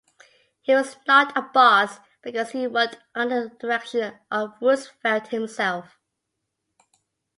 He was not a boss because he worked under the direction of Roosevelt himself.